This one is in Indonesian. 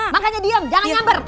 makanya diem jangan nyamber